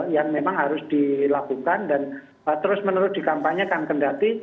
yang memang harus dilakukan dan terus menurut di kampanye kang kendhati